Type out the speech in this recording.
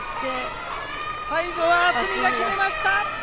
最後は渥美が決めました！